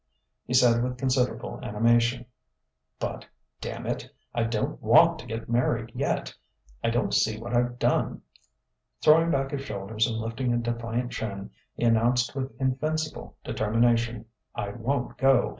He said with considerable animation: "But damn it! I don't want to get married yet! I don't see what I've done...." Throwing back his shoulders and lifting a defiant chin, he announced with invincible determination: "I won't go.